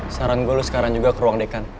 saran gue lu sekarang juga ke ruang dekan